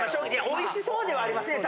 おいしそうではありますね。